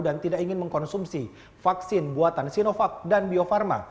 dan tidak ingin mengkonsumsi vaksin buatan sinovac dan bio farma